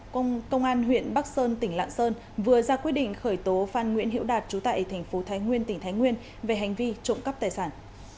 công an huyện bắc sơn tỉnh lạng sơn vừa ra quyết định khởi tố phan nguyễn hiệu đạt trú tại thành phố thái nguyên tỉnh thái nguyên về hành vi trộm cắp tài sản